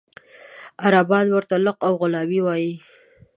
عربان ورته لق او غلامي وایي.